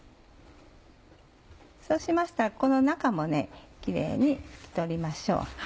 そうしましたらこの中もキレイに拭き取りましょう。